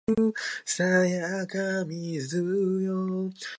巾着袋はいくつあってもいいが、エコバッグはたくさんはいらない。